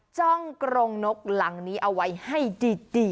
จ้องกรงนกหลังนี้เอาไว้ให้ดี